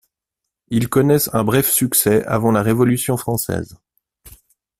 Ils connaissent un bref succès avant la Révolution française.